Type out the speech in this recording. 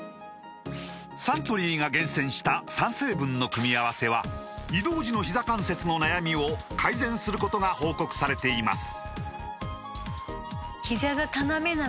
サントリーが厳選した３成分の組み合わせは移動時のひざ関節の悩みを改善することが報告されています